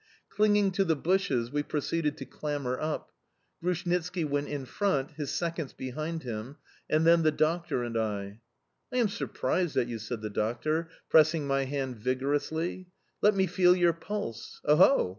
Clinging to the bushes we proceeded to clamber up. Grushnitski went in front, his seconds behind him, and then the doctor and I. "I am surprised at you," said the doctor, pressing my hand vigorously. "Let me feel your pulse!... Oho!